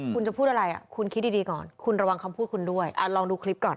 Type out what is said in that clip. คุณจะพูดอะไรคุณคิดดีก่อนคุณระวังคำพูดคุณด้วยลองดูคลิปก่อน